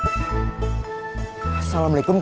tapi kenapa sekarang dia masih berhubungan